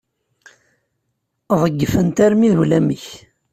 Ḍeyyfen-t armi d ulamek.